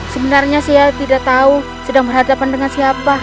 sebenarnya saya tidak tahu sedang berhadapan dengan siapa